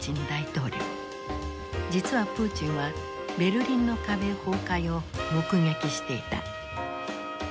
実はプーチンはベルリンの壁崩壊を目撃していた。